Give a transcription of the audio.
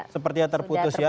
sepertinya terputus ya